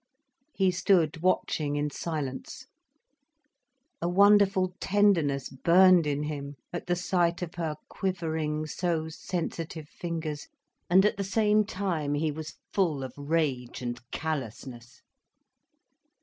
He stood watching in silence. A wonderful tenderness burned in him, at the sight of her quivering, so sensitive fingers: and at the same time he was full of rage and callousness.